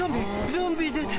ゾンビ出た！